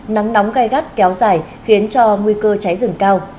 nắng nóng gai gắt kéo dài khiến cho nguy cơ cháy rừng cao